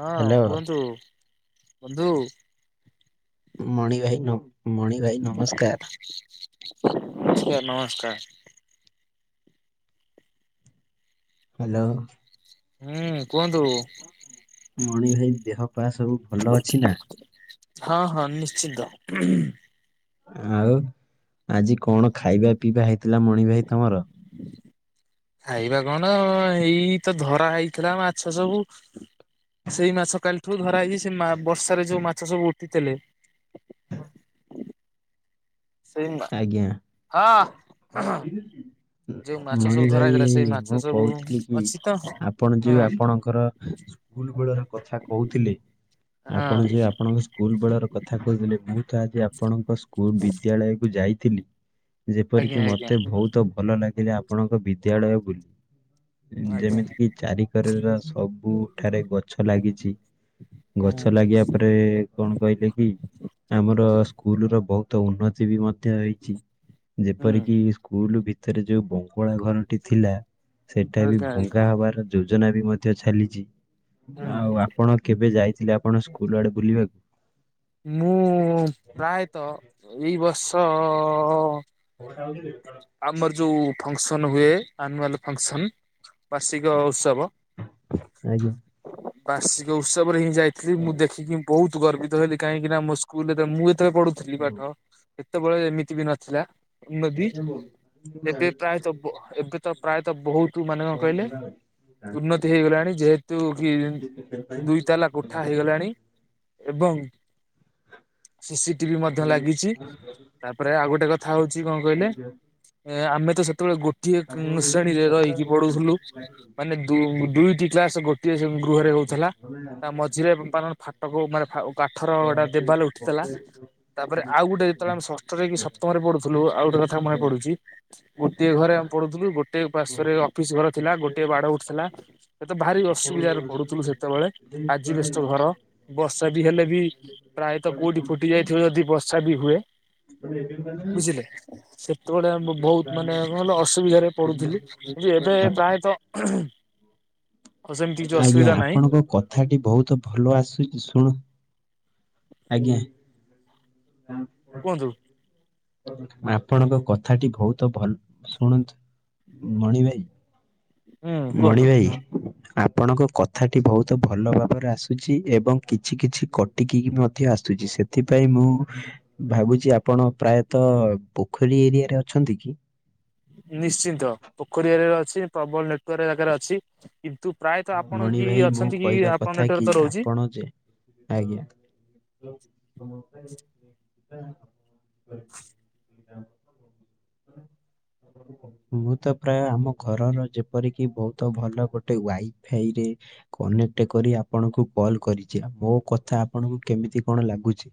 ହଁ ହ୍ୟାଲୋ କୁହନ୍ତୁ ବନ୍ଧୁ। ମଣି ଭାଇ ନ ମଣି ଭାଇ ନମସ୍କାର। [inaudible] ନମସ୍କାର। ହ୍ୟାଲୋ। ହୁଁ କୁହନ୍ତୁ। ମଣି ଭାଇ ଦେହ ପା ସବୁ ଭଲ ଅଛି ନା? ହଁ ହଁ ନିଶ୍ଚିନ୍ତ। ଆଉ ଆଜି କଣ ଖାଇବା ପିଇବା ହେଇଥିଲା ମଣି ଭାଇ ତମର? ଖାଇବା କଣ ଏଇ ତ ଧରା ହେଇଥିଲା ମାଛ ସବୁ ସେଇ ମାଛ କାଲି ଠୁ ଧରା ହେଇ ସେ ମା ବର୍ଷାରେ ଯୋଉ ମାଛ ସବୁ ଉଠିଥିଲେ। ସେଇମା ଆଜ୍ଞା [unintelligible] ସବୁ ମଣି ଧରା ଭାଇ ହେଇଥିଲା ସେଇ ମାଛ କଁ ସବୁ କହୁଥିଲି କି ଅଛି ତ ଆପଣ ଯଉ ହଁ। ଆପଣଙ୍କର ସ୍କୁଲ ବେଳର କଥା କହୁଥିଲି ଆପଣ ହଁ ଯେ ଆପଣଙ୍କ ସ୍କୁଲ ବେଳର କଥା କହିଥିଲେ ମୁଁ ତ ଆଜି ଆପଣଙ୍କ ସ୍କୁଲ ବିଦ୍ୟାଳୟକୁୁ ଯାଇଥିଲି ଆଜ୍ଞା ଯେପରିକି ଆଜ୍ଞା ମୋତେ ଭୋହୁତ ଭଲ ଲାଗିଲା ଆପଣଙ୍କ ବିଦ୍ୟାଳୟ ବୁଲି। ଆଜ୍ଞା ଯେମିତି କିି ଚାରିିକରର ସବୁଠାରେ ଗ ଛ ଲାଗିଚି ହୁଁ ଗଛ ଲାଗିବା ପ ପଟେ କଣ କହିଲେ କି ଆମର ସ୍କୁଲ ର ବହୁତ ଉନ୍ନତି ବି ମ ଧ୍ୟ ହେଇଚି ହୁଁ ଯେପରିକି ସ୍କୁଲ ଭିତରେ ଯୋଉ ବଙ୍ଗଳା ଘରଟି ଥିଲା ସେଇଟା ବି ଆଜ୍ଞା ଆଜ୍ଞା। ଭଙ୍ଗା ହବାର ଯୋଜନା ବି ମଧ୍ୟ ଚାଲିଚି ହୁଁ ଆଉ ଆପଣ କେବେ ଯାଇଥିଲେ ଆପଣ ସ୍କୁଲ ଆଡେ ବୁଲିବାକୁ? ମୁଁ ପ୍ରାୟତଃ ଦି ବର୍ଷ [inaudible] ଆମର ଜୋଉ ଫଙ୍କସନ୍ ହୁଏ ଆନୁଆଲ ଫଙ୍କସନ୍ ବାର୍ଷିକ ଉତ୍ସବ ଆଜ୍ଞା। ବାର୍ଷିକ ଉତ୍ସବ ରେ ହିଁ ଯାଇଥିଲି ମୁଁ ଦେଖିକି ବହୁତ ଗର୍ବିତ ହେଲି କାହିଁକି ନା ମୁଁ ସ୍କୁଲରେ ଯେତେବେଳେ ମୁଁ ଯେତେବେଳେ ପଢୁଥିଲି ପାଠ ସେତେବେଳେ ଏମିତି ବି ନଥିଲା ଉର୍ନ ବ୍ରିଚ ଏବେ ପ୍ରାୟତ ବ ଏବେ ତ ପ୍ରାୟତଃ ବହୁତ ମାନେ କଣ କହିଲେ ଉନ୍ନତି ହେଇଗଲାଣି ଯେହେତୁ [unintelligible] ଦୁଇ ତାଲା କୋଠା ହେଇଗଲାଣି ଏବଂ ସିସି ଟିଭି ମଧ୍ୟ ଲାଗିଚି ପ୍ରାୟ ଆଉ ଗୋଟେ କଥା ହଉଚି କଣ କହିଲେ ଏ ଆମେ ତ ସେତେବେଳେ ଗୋଟ ଗୋଟିଏ କଁ ଶ୍ରେଣୀରେ ରହିକି ପଢୁଥିଲୁ ମାନେ ଦୁ ଦୁଇଟି କ୍ଲାସ ଗୋ ଗୋଟିଏ ସେ ଗୃହରେ ହଉଥେଲା ତା ମଝିରେ ପାନ ଫାଟକ ମାନେ ଫା କାଠର ଗୋଟା ଦେବାଲ ଉଠିଥିଲା। ତାପରେ ଆଉ ଗୋଟେ ଯେତେବେଳେ ଆମେ ଷଷ୍ଠ ଷଷ୍ଠରେ କି ସପ୍ତମରେ ପଢୁଥିଲୁ ଆଉ ଗୋଟ କଥା ମନେ ପଢୁଚି ଗୋଟିଏ ଘରେ ଆମେ ପଢୁଥିଲୁ ଗୋ ଗୋଟେ ପାର୍ଶ୍ଵ ରେ ଅଫିସ ଘର ଥିଲା ଗୋଟେ ବାଡ ଉଠିଥିଲା ଏତ ଭାରି ଅସୁବିଧାରେ ପଡୁଥିଲୁ ସେତେବେଳେ ଆଜବେଷ୍ଟ ଘର ବର୍ଷା ଟି ବି ହେଲେ ବି ପ୍ରାୟତଃ କୋଉଠି ଫୁଟି ଯାଇଥିବ ଯଦି ବର୍ଷା ବି ହୁଏ ବୁଝିଲେ ସେତେବେଳେ ଆମେ ବହୁତ ମାନେ କଣ କହିଲ ଅସୁବିଧାରେ ପଡୁଥିଲୁ କିନ୍ତୁ ଏବେ ପ୍ରାୟତଃ ସେମିତି କିଛି ଆଜ୍ଞା ଅସୁବିଧା ନାହିଁ ଆପଣଙ୍କ କଥାଟି ବହୁତ ଭଲ ଆସୁଚି ଶୁଣ ଆଜ୍ଞା। କୁହନ୍ତୁ। ଆପଣଙ୍କ କଥାଟି ବହୁତ ଭଲ ଶୁଣୁନ୍ତୁ ମଣି ଭାଇ ହୁଁ ମଣି କୁହନ୍ତୁ ଭାଇ ଆପଣଙ୍କ କଥାଟି ବହୁତ ଭଲ ଭାବରେ ଆସୁଚି ଏବଂ କିଛି କିଛି କଟିକି କି ମଧ୍ୟ ଆସୁଚି ସେ ସେଥିପାଇଁ ମୁଁ ଭାବୁଚି ଆପଣ ପ୍ରାୟତଃ ପୋଖରୀ ଏରିଆରେ ଅଛନ୍ତି କି? ନିଶ୍ଚିନ୍ତ ପୋଖରୀ ଏରିଆରେ ଅଛି ପ୍ରବଳ ନେଟୱାର୍କ ଜାଗାରେ ଅଛି। କିନ୍ତୁ ପ୍ରାୟତଃ ଆପଣ ମଣି କି ଭାଇ ମୁଁ ଅଛନ୍ତି କି କହିବା ଆପଣଙ୍କ କଥା କି ନେଟୱାର୍କ ତ ରହୁଚି। ଆପଣ ଯେ ଆଜ୍ଞା। ମୁଁ ତ ପ୍ରାୟ ଆମ ଘରର ଯେପରିକି ବହୁତ ଭଲ ଗୋଟେ ୱାଇ ଫାଇରେ କନେକ୍ଟ କରି ଆପଣଙ୍କୁ କଲ କରିଚି ମୋ କଥା ଆପଣଙ୍କୁ କେମିତି କଣ ଲାଗୁଚି?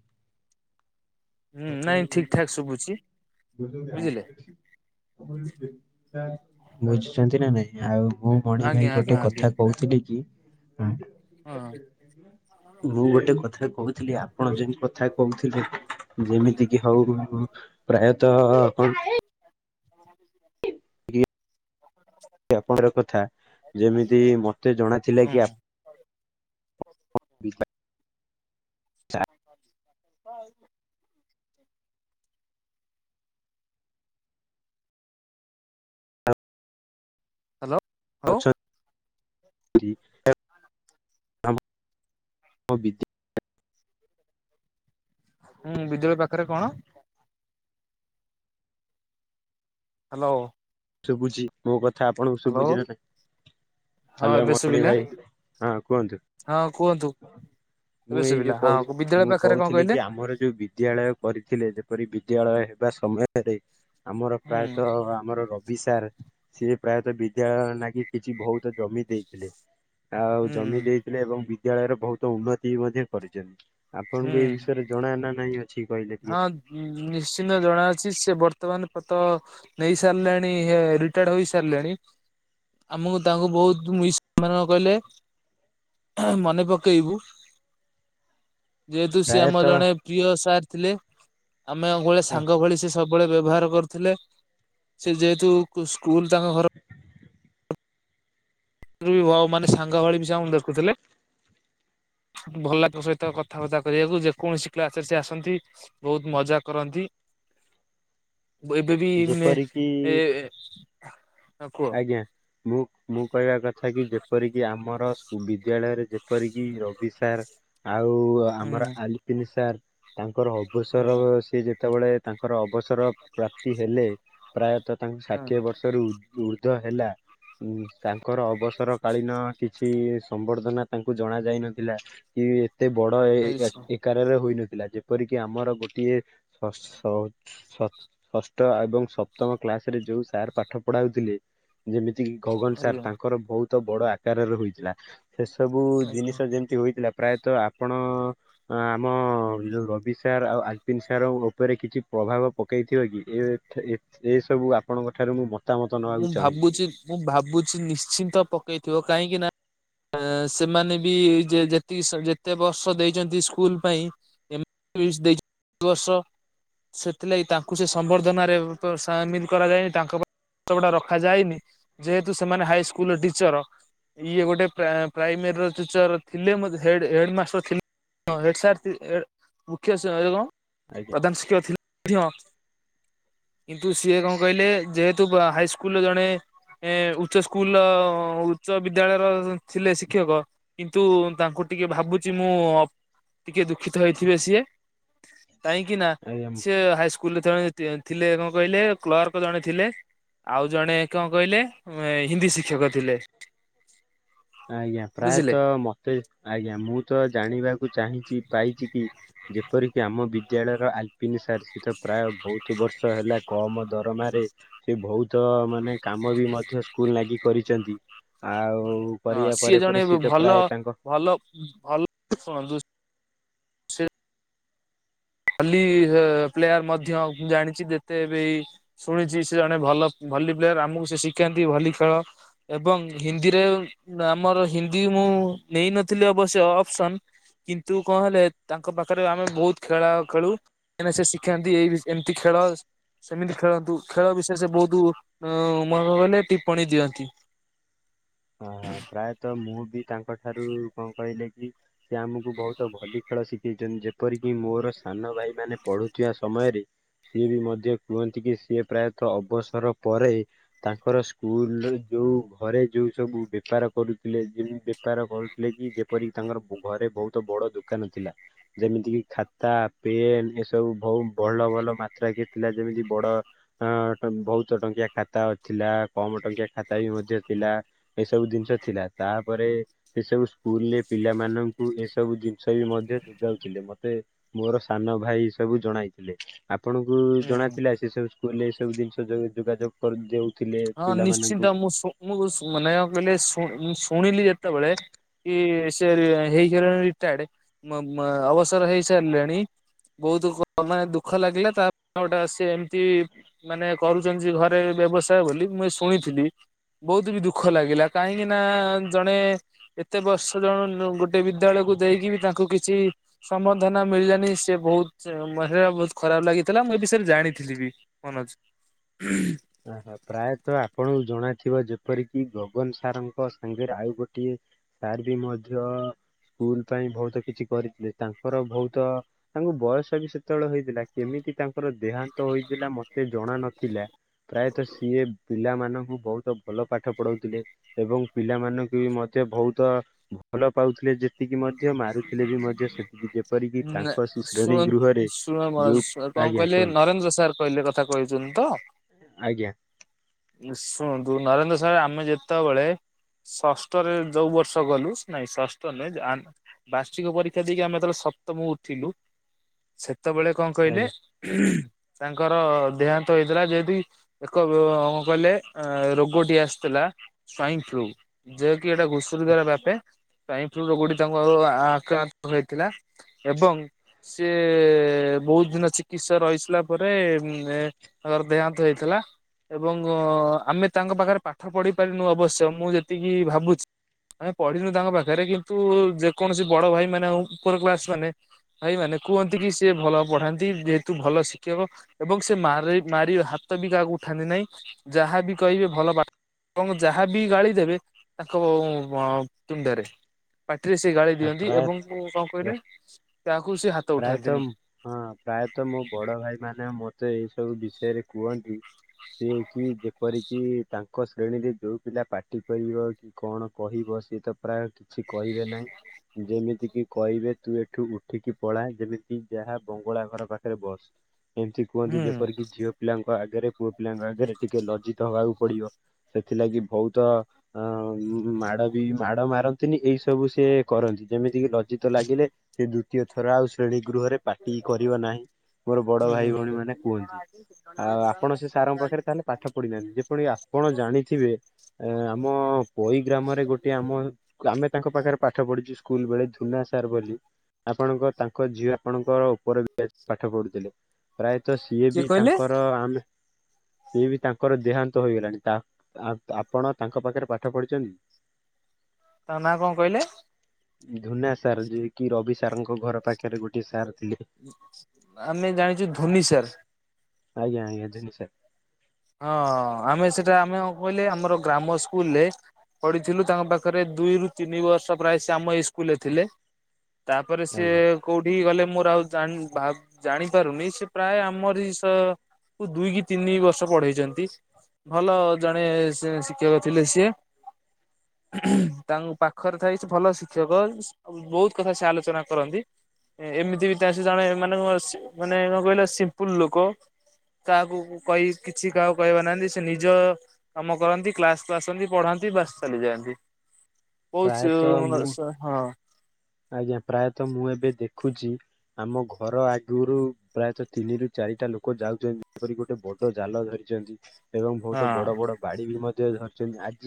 ହୁଁ ନାଇଁ ଠିକ ଠାକ୍ ଶୁବୁଚି ବୁଝିଲେ ବୁଝୁଚନ୍ତି ନା ନାଇଁ ଆଉ ମୁଁ ମଣି ଆଜ୍ଞା ଭାଇ ଆଜ୍ଞା ଗୋଟେ କଥ ଆଜ୍ଞା କହୁଥିଲି କି ହୁଁ। ହଁ ମୁଁ ଗୋଟେ କଥା କହୁଥିଲି ଆପଣ ଯୋଉ କଥା କହୁଥିଲେ ଯେମିତି କିି ହଉ ପ୍ରାୟତଃ ଆପଣ ହ ଆପଣଙ୍କର କଥା ଯେମିତି ମତେ ଜଣାଥିଲା ହଁ କି ଆପ ଅଛନ୍ତି ହ ହ୍ୟାଲୋ। ହଉ ବି [inaudible] ହୁଁ ବିଦ୍ୟାଳୟ ପାଖରେ କଣ? ହ୍ୟାଲୋ। ଶୁଭୁଛି ମୋ କଥା ଆପଣଙ୍କୁ ହ୍ୟାଲୋ ଶୁଭୁଛିି ନାଁ ନାହିଁ? ହଁ ହ୍ୟାଲୋ ଏବେ ମଣି ଶୁଭିଲା ଭାଇ ହଁ କୁହନ୍ତୁ? ହଁ କୁହନ୍ତୁ। ଏବେ ମୁଁ ଏଇ ଶୁଭିଲା ଯୋଉ କହୁ ହଁ ବିଦ୍ୟାଳୟ ମୁଁ ପାଖରେ କଣ କହୁଥିଲି କହିଲେ କି ଆମର ଯୋଉ ବି ବିଦ୍ୟାଳୟ କରିଥିଲେ ଯେପରି ବିଦ୍ୟାଳୟ ହେବା ସମୟରେ ଆମର ପ୍ରାୟତଃ ହୁଁ ଆମର ର ବିଶାର ସିଏ ପ୍ରାୟତଃ ବିଦ୍ୟାଳୟ ନାଗି କିଛି ବହୁତ ଜମି ଦେଇଥିଲେ। ଆଉ ହୁଁ ଜମି ଦେଇଥିଲେ ଏବଂ ବିଦ୍ୟାଳୟର ବହୁତ ଉନ୍ନତି ବି ମଧ୍ୟ କରିଛନ୍ତି। ଆପଣଙ୍କୁ ଏଇ ହୁଁ। ବିଷୟରେ ଜଣା ନା ନାହିଁ ଅଛି କହିଲେ ଟିକେ? ହଁ ନିଶ୍ଚିନ୍ତ ଜଣାଅଛି ସେ ବର୍ତ୍ତମାନ ପ୍ରତ ନେଇ ସାରିଲେଣି ହେ ରିଟାୟାର୍ଡ ହୋଇ ସାରିଲେଣି। ଆମକୁ ତାଙ୍କୁ ବହୁତ ମିସ କହିଲେ ମନେ ପକେଇବୁ। ଯେହେତୁ ସିଏ ଆମ ପ୍ରାୟତଃ ଜଣେ ପ୍ରିୟ ସାର୍ ଥିଲେ ଆମେ ଆଗୁଳିଆ ସାଙ୍ଗ ଭଳି ସେ ସବୁବେଳେ ବ୍ୟବହାର କରଥିଲେ ସେ ଯେହେତୁ ସ୍କୁଲ ତାଙ୍କ ଘର ମାନେ ସାଙ୍ଗ ଭଳି ବି ସେ ଆମକୁ ଦେଖୁଥିଲେ। ଭଲଲାଗେ ତାଙ୍କ ସହ କଥାବାର୍ତ୍ତା କରିବାକୁ ଯେକୌଣସି କ୍ଲାସରେ ସେ ଆସନ୍ତି। ବହୁତ ମଜା କରନ୍ତି। ହ ଏବେ ବି ଏ କୁହ ଆଜଞା [inaudible] ମୁଁ ମୁଁ କହିବା କଥା କି ଯେପରିକି ଆମର ବିଦ୍ୟାଳୟରେ ଯେପରିକି ରବି ସାର୍ ଆଉ ହୁଁ ଆମର ଆଲିପିନ ସାର୍ ତାଙ୍କର ଅବସର ହଁ ସିଏ ଯେତେବେଳେ ତାଙ୍କର ଅବସର ପ୍ରାପ୍ତି ହେଲେ ପ୍ରାୟତଃ ତାଙ୍କୁ ହଁ ଷାଠିଏ ବର୍ଷରୁ ଉର୍ଦ୍ଧ ହେଲା ଉ ତାଙ୍କର ଅବସର କାଳୀନ କିଛି ସମ୍ବର୍ଦ୍ଧନା ତାଙ୍କୁ ଜଣା ଯାଇନଥିଲା। କି ଏତେ ବଡ ଏ ଆଜ୍ଞା। ଆକାରରେ ହୋଇନଥିଲା ଯେପରିକି ଆମର ଗୋଟିଏ ଷଷ୍ଠ ଏବଂ ସପ୍ତମ କ୍ଲାସ ରେ ଯୋଉ ସାର୍ ପାଠ ପଢାଉଥିଲେ ଯେମିତି କିି ଗଗନ ସାର୍ ତାଙ୍କର ବହୁତ ବଡ ଆକାରରେ ହୋଇଥିଲା। ସେ ସବୁ ଆଜ୍ଞା। ଜିନିଷ ଯେମିତି ହୋଇଥିଲା ପ୍ରାୟତଃ ଆପଣ ଅ ଆମ ଯୋଉ ରବି ସାର୍ ଆଉ ଆଲପିନ ସାର୍ଙ୍କ ଉପରେ କିଛି ପ୍ରଭାବ ପକେଇଥିବ କି ଏ ଏସବୁ ଆପଣଙ୍କ ଠାରୁ ମୁଁ ମତାମତ ନେବାକୁ ମୁଁ ଚାହୁଁଛି ଟିକେ ଭାବୁଛି ମୁଁ ଭାବୁଛି ନିଶ୍ଚିନ୍ତ ପକେଇଥିବ କାହିଁକି ନା? ଆ ସେମାନେ ବି ଯେ ଯେତିକି ଯେତେ ବର୍ଷ ଦେଇଛନ୍ତି ସ୍କୁଲ ପାଇଁ ଏ [unintelligible] ଦେଇ [unintelligible] ବର୍ଷ। ସେଥିଲାଗି ତାଙ୍କୁ ସେ ସମ୍ବର୍ଦ୍ଧନାରେ ସାମିଲ କରାଯାଇନି ତାଙ୍କ ତ ଏଟା ରଖାଯାଏନି ଯେହେତୁ ସେମାନେ ହାଇସ୍କୁଲର ଟିଚର ଇଏ ଗୋଟେ ପ୍ରା ପ୍ରାଇମେରୀର ଟିଚର ଥିଲେ ମତ ହେଡ ମାଷ୍ଟର ଥିଲେ। ହଁ ହେଡ ସାର୍ ଥିଲେ ମୁଖ୍ୟ ସହଯୋଗ। ଆଜ୍ଞା। ପ୍ରଧାନ ଶିକ୍ଷକ ଥିଲେ ମଧ୍ୟ କିନ୍ତୁ ସିଏ କଣ କହିଲେ ଯେ ହେତୁ ହାଇସ୍କୁଲ ଜଣେ ଏଁ ଉଚ୍ଚ ସ୍କୁଲ ର ଉଚ୍ଚ ବିଦ୍ୟାଳୟର ଥିଲେ ଶିକ୍ଷକ। କିନ୍ତୁ ତାଙ୍କୁ ଟିକେ ଭାବୁଛି ମୁଁ ଟିକେ ଦୁଃଖିତ ହେଇଥିବେ ସିଏ। କାହିଁକି ନା ଆଜ୍ଞା ସେ ହାଇସ୍କୁଲରେ ଯେତେବେଳେ ଥିଲେ କଣ କହିଲେ କ୍ଲର୍କ ଜଣେ ଥିଲେ। ଆଉ ଜଣେ କଣ କହିଲେ ହିନ୍ଦୀ ଶିକ୍ଷକ ଥିଲେ। ଆଜ୍ଞା, ବୁଝିଲେ ପ୍ରାୟତ ମୋତେ ଆଜ୍ଞା ମୁଁ ତ ଜାଣିବାକୁ ଚାହିଁଛି ପାଇଚି କି ଯେପରିକି ଆମ ବିଦ୍ୟାଳୟର ଆଲପିନି ସାର୍ ସିଏ ତ ପ୍ରାୟ ବହୁତ ବର୍ଷ ହେଲା କମ ଦରମାରେ ସିଏ ଭଉତ ମାନେ କାମ ବି ମଧ୍ୟ ସ୍କୁଲ୍ ନାଗି କରିଚନ୍ତି। ଆଉ ହଁ କରିବା ସିଏ ପରେ ପରେ ଜଣେ ତ ଭଲ, ପ୍ରାୟ ତାଙ୍କ ଭଲ, ଭଲ ଶୁଣନ୍ତୁ ଭଲି ହେ ପ୍ଲେୟାର୍ ମଧ୍ୟ ମୁଁ ଜାଣିଚି ଯେତେ ବି ଶୁଣିଚି ସେ ଜଣେ ଭଲ ଭଲି ପ୍ଲେୟାର୍ ଆମକୁ ସିଏ ଶିକାନ୍ତି ଭଲି ଖେଳ। ଏବଂ ହିନ୍ଦୀରେ ଆମର ହିନ୍ଦୀ ମୁଁ ନେଇନଥିଲି ଅବଶ୍ୟ ଅପସନ୍। କିନ୍ତୁ କଣ ହେଲେ ତାଙ୍କ ପାଖରେ ଆମେ ବହୁତ ଖେଳ ଖେଳୁ କେନେ ସେ ଶିଖାନ୍ତି ଏଇ ଏମତି ଖେଳ ସେମିତି ଖେଳନ୍ତୁ। ଖେଳ ବିଷୟ ସେ ବହୁତୁ ଅଁ, ମୋହର ମାନେ ଟିପ୍ପଣୀ ଦିଅନ୍ତି। ହଁ, ହଁ ପ୍ରାୟତ ମୁଁ ବି ତାଙ୍କ ଠାରୁ କଣ କହିଲେ କି ସିଏ ଆମକୁ ଭଉତ ଭଲି ଖେଳ ଶିଖେଇଛନ୍ତି। ଯେପରିକି ମୋର ସାନ ଭାଇ ମାନେ ପଢୁଥିବା ସମୟରେ ସିଏ ବି ମଧ୍ୟ କୁହନ୍ତି କି ସିଏ ପ୍ରାୟତ ଅବସର ପରେ ତାଙ୍କର ସ୍କୁଲ୍ ରେ ଯୋଉ ଘରେ ଯୋଉ ସବୁ ବେପାର କରୁଥିଲେ, ଯେଉଁ ବେପାର କରୁଥିଲେ କି ଯେପରିି ତାଙ୍କର ଘରେ ବହୁତ ବଡ଼ ଦୁ କାନ ଥିଲା। ଯେମିତି କି ଖାତା, ପେନ୍ ଏସବୁ ବହୁ ଭଲ ଭଲ ମାତ୍ରାକେ ଥିଲା। ଯେମିତି ବଡ ଅ, ଟଙ୍କ ବହୁତ ଟଙ୍କିଆ ଖାତା ଅ, ଥିଲା। କମ ଟଙ୍କିଆ ଖାତା ବି ମଧ୍ୟ ଥିଲା। ଏସବୁ ଦିନିଷ ଥିଲା। ତାପରେ ସେ ସବୁ ସ୍କୁଲ୍ ରେ ପିଲାମାନଙ୍କୁ ଏ ସବୁ ଜିନିଷ ବି ମଧ୍ୟ ଯୁଗାଉଥିଲେ। ମୋତେ ମୋର ସାନ ଭାଇ ସବୁ ଜଣାଇଥିଲେ। ଆପଣଙ୍କୁ ହୁଁ। ଜଣା ଥିଲା ସେ ସବୁ ସ୍କୁଲ୍ ରେ ଏ ସବୁ ଜିନିଷ ଯୋ ଯୁଗାଯୋଗ? କରି ଦେଉଥିଲେ ହଁ ନିଶ୍ଚିନ୍ତ ପିଲାମାନଙ୍କୁ। ମୁଁ ମୁଁ ଶୁ ମାନେ ୟା କଇଲେ ଶୁଣ ଶୁଣିଲି ଯେତେବେଳେ କି ସିଏ ରି- ହେଇସାଇଲେଣି ରିଟାୟାର୍ଡ। ମ-ମ- ଅବସର ହେଇ ସାରଲେଣି ବହୁ ଦୁଃଖ [inaudible] ମେ ଦୁଃଖ ଲାଗିଲା ତା [inaudible] ଗୋଟେ ସେ ଏମତି ମାନେ କରୁଚନ୍ତି ଯେ ଘରେ ବ୍ୟବସାୟ ବୋଲି ମୁଁ ଏଇ ଶୁଣିଥିଲି। ବହୁତ ବି ଦୁଃଖ ଲାଗିଲା। କାହିଁକି ନା ଜଣେ ଏତେ ବର୍ଷ ଜଣ ନ-ଗୋଟେ ବିଦ୍ୟାଳୟକୁ ଦେଇକି ବି ତାଙ୍କୁ କିଛି ସମ୍ବର୍ଦ୍ଧନା ମିଳିଲାନି ସେ ବହୁତ ସେ ମ-ହେଇଆ ବହୁତ ଖରାପ ଲାଗିଥିଲା। ମୁଁ ଏ ବିଷୟରେ ଜାଣିଥିଲି ବି। ଫୋନ୍ ଅଛି। ଓହୋ, ପ୍ରାୟତ ଆପଣଙ୍କୁ ଜଣାଥିବ ଯେପରିକି ଗଗନ ସାର୍ ଙ୍କ ସାଙ୍ଗରେ ଆଉ ଗୋଟିଏ ସାର୍ ବି ମଧ୍ୟ ସ୍କୁଲ୍ ପାଇଁ ଭଉତ କିଛି କରିଥିଲେ। ତାଙ୍କର ଭଉତ ତାଙ୍କୁ ବୟସ ବି ସେତେବେଳେ ହେଇଥିଲା। କେମିତି ତାଙ୍କର ଦେହାନ୍ତ ହୋଇଥିଲା, ମୋ ତେ ଜଣା ନଥିଲା ପ୍ରାୟତ ସିଏ ପିଲାମାନଙ୍କୁ ବହୁତ ଭଲ ପାଠ ପଢଉଥିଲେ ଏବଂ ପିଲାମାନଙ୍କୁ ବି ମଧ୍ୟ ଭଉତ ଭଲ ପାଉଥିଲେ। ଯେ ସେତିକି ମଧ୍ୟ ମାରୁଥିଲେ ବି ମଧ୍ୟ ସେତିକି। ଯେପରିକି ନା ତାଙ୍କ ସେ ଶ୍ରେଣୀ ଶୁଣନ୍ତୁ ଗୃହରେ ଶୁଣ ଯୋଉ ମହାରାଜ କଣ ଆଜ୍ଞା କହିଲେ କୁହନ୍ତୁ ନରେନ୍ଦ୍ର ସାର୍ କହିଲେ କଥା କହିଚନ୍ତି ତ? ଆଜ୍ଞା। ଶୁଣନ୍ତୁ ନରେନ୍ଦ୍ର ସାର୍ ଆମେ ଯେତେବେଳେ ଷଷ୍ଠରେ ଯୋଉ ବର୍ଷ ଗଲୁ, ନାଇଁ ଷଷ୍ଠ ନୁହେଁ, ଯେ ଆନ୍ ବାର୍ଷିକ ପରୀକ୍ଷା ଦେଇକି ଆମେ ଯେତେବେଳେ ସପ୍ତମ ଉଠିଲୁ, ସେତେବେଳେ କଣ କହିଲେ ଆଜ୍ଞା ତାଙ୍କର ଦେହାନ୍ତ ହେଇଥିଲା। ଯେହେତୁ ଏକ ବୋଲେ ଅଁ, ରୋଗଟି ଆସିଥିଲା ସ୍ଵାଇନ୍ ଫ୍ଲୁ। ଯେକିି ଏଟା ଘୁଷୁରି ଦ୍ୱାରା ବ୍ୟାପେ। ସ୍ଵାଇନ୍ ଫ୍ଲୁ ରୋଗ ଟି ତାଙ୍କୁ ଆଗ ଆ, ଆକ୍ରାନ୍ତ ହୋଇଥିଲା। ଏବଂ ସିଏ ବହୁତ ଦିନ ଚିକିତ୍ସା ରହିସିଲା ପରେ ଉଁ, ଏ ତାଙ୍କର ଦେହାନ୍ତ ହେଇଥିଲା। ଏବଂ ଆମେ ତାଙ୍କ ପାଖରେ ପାଠ ପଢ଼ି ପାରିନୁ ଅବଶ୍ୟ ମୁଁ ଯେତିକି ଭାବୁଛି। ଆମେ ପଢିନୁ ତାଙ୍କ ପାଖରେ। କିନ୍ତୁ ଯେକୌଣସି ବଡ ଭାଇ ମାନେ ଆମ ଉପର କ୍ଲାସ୍ ମାନେ ଭାଇ ମାନେ କୁହନ୍ତି କି ସିଏ ଭଲ ପଢାନ୍ତି ଯେହେତୁ ଭଲ ଶିକ୍ଷକ। ଏବଂ ସେ ମାର ମାର ହାତ ବି କାହାକୁ ଉଠାନ୍ତି ନାହିଁ ଯାହାବି କହିବେ ଭଲ ବା ଏବଂ ଯାହା ବିି ଗାଳି ଦେବେ ତାଙ୍କ ତୁଣ୍ଡରେ। ପାଟିରେ ସେ ଗାଳି ଦିଅନ୍ତି ପ୍ରାୟ ଏବଂ କଣ ପ୍ରାୟ କହିଲେ ତାହାକୁ ସେ ହାତ ପ୍ରାୟତଃ ଉଠାନ୍ତିନି। ହଁ ପ୍ରାୟତଃ ମୋ ବଡ ଭାଇମାନେ ମୋତେ ଏଇ ସବୁ ବିଷୟରେ କୁହନ୍ତି। ସିଏ କି ଯେପରିକି ତାଙ୍କ ଶ୍ରେଣୀରେ ଯୋଉ ପିଲା ପାଟି କରିବ କି କଣ କହିବ ସିଏ ତ ପ୍ରାୟ କିଛି କହିବେ ନାହିଁ। ଯେମିତିକିି କହିବେ ତୁ ଏଠୁ ଉଠିକି ପଳା ଯେମିତି ଯାହା ବଙ୍ଗଳା ଘର ପାଖରେ ବସ। [inaudible] ଏମିତି କୁହନ୍ତି ହୁଁ ଯେପରିକି ଝିଅପିଲାଙ୍କ ଆଗରେ ପୁଅପିଲାଙ୍କ ଆଗରେ ଟିକେ ଲଜିତ ହବାକୁ ପଡିବ। ସେ ହେଥିଲାଗି ବହୁତ ଅ ମାଡ ବି ମାଡ ମାରନ୍ତିନି ଏଇ ସବୁ ସେ କରନ୍ତି ଯେମିତିକି ଲଜିତ ଲାଗିଲେ ସେ ଦ୍ଵିତୀୟ ଥର ଆଉ ଶ୍ରେଣୀ ଗୃହରେ ପାଟି କରିବ ନାହିଁ। ମୋର ବଡ ଭାଇ ତାଙ୍କ ଭଉଣୀ ମାନେ କୁହନ୍ତି, ଆଉ ଆପଣ ସେ ସାରଙ୍କ ପାଖରେ ତାହେଲେ ପାଠ ପଢିନାହାନ୍ତି। ଯେପରି ଆପଣ ଜାଣିଥିବେ। ଏ ଆମ ପୋଇ ଗ୍ରାମରେ ଗୋଟେ ଆମ ଆମେ ତାଙ୍କ ପାଖରେ ପାଠ ପଢୁ। ସ୍କୁଲବେଳେ ଧୁନା ସାର୍ ବୋଲି ଆପଣଙ୍କ ତାଙ୍କ ଝିଅ ଆପଣଙ୍କର ଉପର ବେ ପାଠ ପଢୁଥିଲେ ପ୍ରାୟତଃ ସିଏ ବି ତାଙ୍କର ଆମେ ସିଏ ବି ତାଙ୍କର ଦେହାନ୍ତ ହୋଇଗଲାଣି। ଆପଣ ତାଙ୍କ ପାଖରେ ପାଠ ପଢିଛନ୍ତି। ତାଙ୍କ ନାଁ କଣ କହିଲେ? ଧୁନା ସାର୍ ଯେଏକି ରବି ସ ସାରଙ୍କ ଘର ପାଖରେ ଗୋଟେ ସାର ଥିଲେ। ଆମେ ଜାଣିଛୁ ଧୋନି ସାର୍ ଆଜ୍ଞା ଆଜ୍ଞା [unintelligible] ହଁ ଆମେ ସେଟା ଆମେ କହିଲେ ଆମର ଗ୍ରାମ ସ୍କୁଲରେ ପଢିଥିଲୁ ତାଙ୍କ ପାଖରେ ଦୁଇରୁୁ ତିନି ବର୍ଷ ପ୍ରାୟ ସେ ଆମ ଏଇ ସ୍କୁଲରେ ଥିଲେ। ତାପରେ ଆଜ୍ଞା ସିଏ କୋଉଠିକି ଗଲେ ମୋର ଆଉ ଜାଣି ପାରୁନି ସେ ପ୍ରାୟ ଆମରି ସହ ଦୁଇ କି ତିନି ବର୍ ପଢେଇଛନ୍ତି। ଭଲ ଜଣେ ଶିକ୍ଷକ ଥିଲେ ସିଏ। ତାଙ୍କ ପାଖରେ ଥାଇ ସେ ଭଲ ଶିକ୍ଷକ। ବହୁତ କଥା ସେ ଆଲୋଚନା କରନ୍ତି। ଏମିତି ବି ତା ସେ ଜଣେ ମାନେ ମାନେ କଣ କହିଲ ସିମ୍ପଲ ଲୋକ। କାହାକୁ କହି କିଛି କାହା କହିବାର ନାହାନ୍ତି ସେ ନିଜ କାମ କରନ୍ତି କ୍ଲାସକୁୁ ଆସନ୍ତି ପଢାନ୍ତି ବାସ ଚାଲିଯାଆନ୍ତି ବହୁଛି ପ୍ରାୟତଃ ମ ମୁଁ ହଁ [unintelligible] ଆଜ୍ଞା ପ୍ରାୟତଃ ମୁଁ ଏବେ ଦେଖୁଛି ଆମ ଘର ଆଗରୁ ପ୍ରାୟତଃ ତିନିରୁ ଚାରିଟା ଲୋକ ଯାଉଛନ୍ତି ଯେପରି ଗୋଟେ ବ ଡ ଜାଲ ଧରିଛନ୍ତି ଏବଂ ବହୁତ ହଁ। ବଡ ବଡ ବାଡି ବି ମଧ୍ୟ ଧରିଛନ୍ତି ଆଜି।